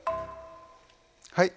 はい。